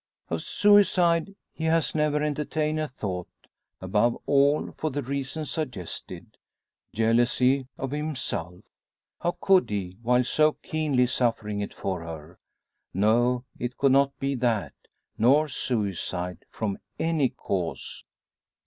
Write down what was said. Of suicide he has never entertained a thought above all, for the reason suggested jealousy of himself. How could he, while so keenly suffering it for her! No, it could not be that; nor suicide from any cause.